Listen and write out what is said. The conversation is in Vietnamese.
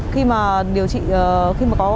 khi mà điều trị khi mà có